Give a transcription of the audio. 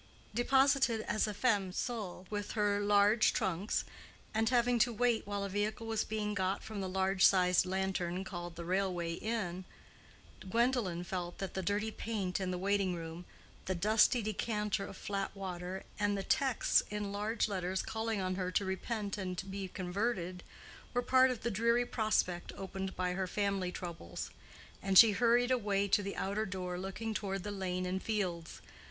Deposited as a femme sole with her large trunks, and having to wait while a vehicle was being got from the large sized lantern called the Railway Inn, Gwendolen felt that the dirty paint in the waiting room, the dusty decanter of flat water, and the texts in large letters calling on her to repent and be converted, were part of the dreary prospect opened by her family troubles; and she hurried away to the outer door looking toward the lane and fields.